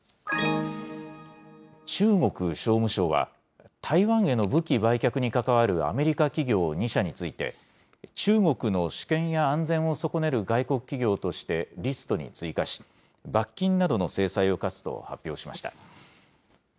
中国商務省は、台湾への武器売却に関わるアメリカ企業２社について、中国の主権や安全を損ねる外国企業としてリストに追加し、罰金などの制裁を科すと発表しました。